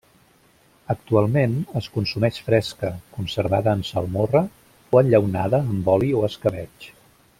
Actualment, es consumeix fresca, conservada en salmorra o enllaunada amb oli o escabetx.